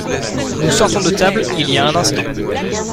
Nous sortons de table il y a un instant.